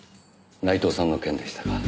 内藤さんの件でしたか。